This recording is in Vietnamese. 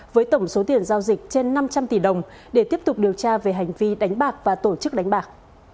với tổng số tiền giao dịch trên năm trăm linh tỷ đồng để tiếp tục điều tra về hành vi đánh bạc và tổ chức đánh bạc